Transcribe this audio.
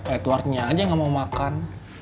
edwardnya aja nggak mau makan